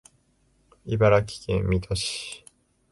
茨城県水戸市